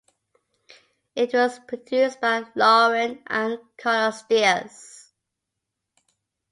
It was produced by Lauren and Carlos Diaz.